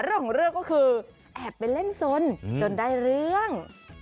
เรื่องของเรื่องก็คือแอบไปเล่นสนจนได้เรื่อง